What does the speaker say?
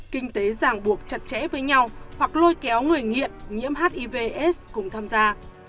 kinh tế giảng buộc chặt chẽ với nhau hoặc lôi kéo người nghiện nhiễm hivs cùng tham gia